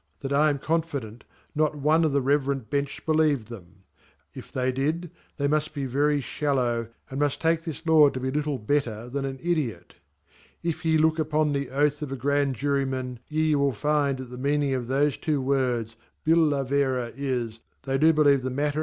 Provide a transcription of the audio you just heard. that I am confident not one of the reverend Bene I'iUeved them ; if they did, they must be very fhalk\a% a): J wxjlta&e this Lord to be little letter tkrn an Ideot. If ye Jook ufonlfy Oath of a Grand Jury wan, y<* will fi*>d that /Xy meatiing afthofietwo words Bdla Vera is, they do believe the matter